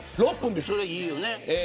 それはいいよね。